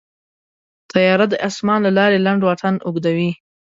طیاره د اسمان له لارې لنډ واټن اوږدوي.